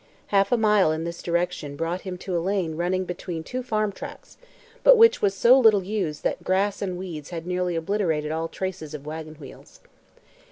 Half a mile in this direction brought him to a lane running between two farm tracts but which was so little used that grass and weeds had nearly obliterated all traces of wagon wheels.